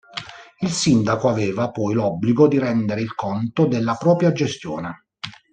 Il Sindaco aveva, poi, l'obbligo di rendere il conto della propria gestione.